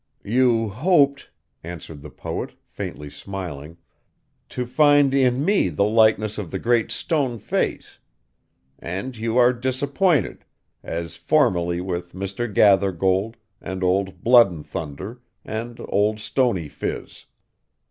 'You hoped,' answered the poet, faintly smiling, 'to find in me the likeness of the Great Stone Face. And you are disappointed, as formerly with Mr. Gathergold, and old Blood and Thunder, and Old Stony Phiz.